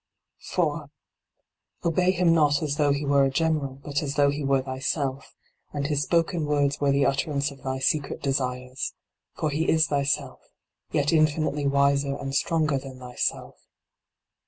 4. Obey him not as though he were a general, but as though he were thyself, and his spoken words were the utterance of thy secret desires ; for he is thyself, yet infinitely wiser and stronger than thyself.